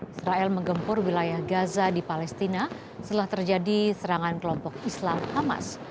israel menggempur wilayah gaza di palestina setelah terjadi serangan kelompok islam hamas